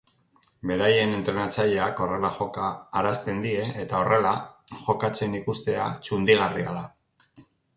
Beraien entrenatzaileak horrela joka arazten die eta horrela jokatzen ikustea txundigarria da.